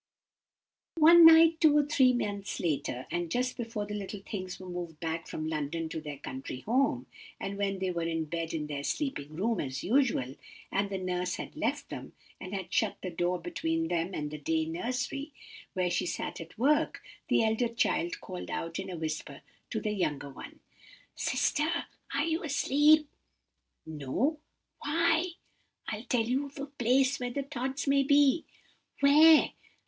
"One night, two or three months later, and just before the little things were moved back from London to their country home; and when they were in bed in their sleeping room, as usual, and the nurse had left them, and had shut the door between them and the day nursery, where she sat at work, the elder child called out in a whisper to the younger one:— "'Sister, are you asleep?' "'No. Why?' "'I'll tell you of a place where the Tods may be.' "'Where?